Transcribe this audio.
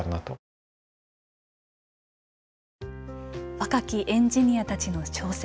若きエンジニアたちの挑戦。